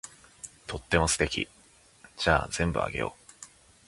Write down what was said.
とっても素敵。じゃあ全部あげよう。